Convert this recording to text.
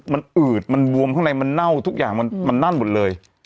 มันอืดมันบวมข้างในมันเน่าทุกอย่างมันนั่นหมดเลย